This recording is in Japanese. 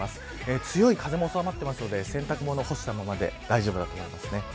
強い風も収まってますので洗濯物の干したままで大丈夫だと思います。